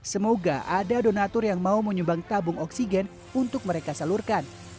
semoga ada donatur yang mau menyumbang tabung oksigen untuk mereka salurkan